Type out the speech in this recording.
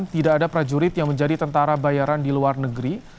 tidak ada prajurit yang menjadi tentara bayaran di luar negeri